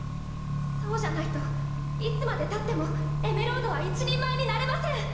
そうじゃないといつまでたってもエメロードは一人前になれません。